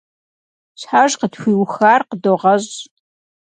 Щхьэж къытхуиухар къыдогъэщӀ.